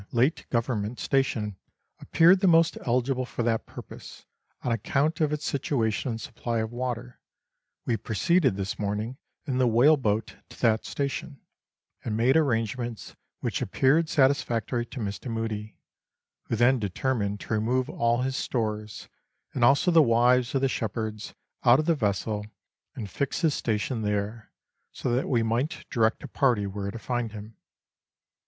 283 late Government station appeared the most eligible for that purpose, on account of its situation and supply of water, we proceeded this morning in the whale boat to that station and made arrangements, which appeared satisfactory to Mi\ Mudie, who then determined to remove all his stores, and also the wives of the shepherds out of the vessel and fix his station there, so that we might direct a party where to find him.